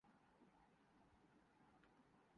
اپنے بارے میں سب